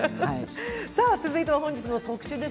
続いては本日の特集です。